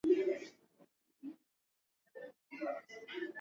Nilishapanda ngazi hadi juu kabisa